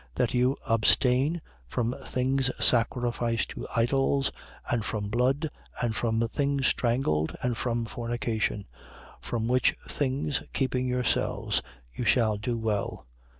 That you abstain from things sacrificed to idols and from blood and from things strangled and from fornication: from which things keeping yourselves, you shall do well.